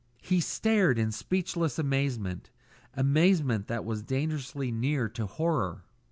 He stared in speechless amazement amazement that was dangerously near to horror.